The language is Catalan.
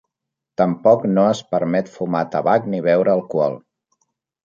Tampoc no es permet fumar tabac ni beure alcohol.